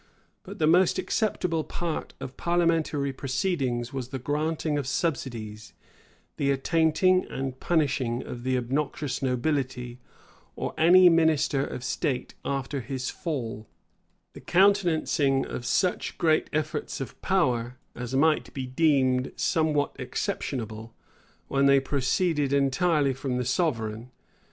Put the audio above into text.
But the most acceptable part of parliamentary proceedings was the granting of subsidies; the attainting and punishing of the obnoxious nobility, or any minister of state after his fall; the countenancing of such great efforts of power, as might be deemed somewhat exceptionable, when they proceeded entirely from the sovereign.